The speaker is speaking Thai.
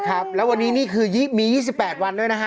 ครับแล้ววันนี้นี่คือมี๒๘วันด้วยนะฮะ